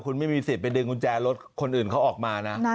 คุณไม่มีสิทธิ์ไปดึงกุญแจรถคนอื่นเขาออกมานะ